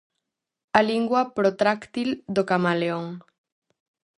A lingua protráctil do camaleón.